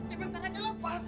sebentar aja lepas